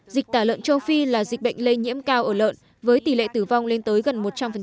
dịch tả lợn châu phi là dịch bệnh lây nhiễm cao ở lợn với tỷ lệ tử vong lên tới gần một trăm linh